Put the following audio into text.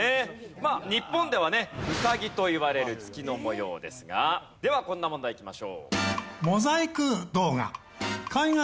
まあ日本ではねウサギといわれる月の模様ですがではこんな問題いきましょう。